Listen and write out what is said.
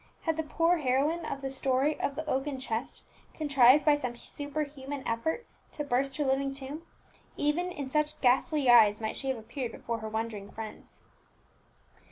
Had the poor heroine of the story of the oaken chest contrived by some superhuman effort to burst her living tomb, even in such ghastly guise might she have appeared before her wondering friends.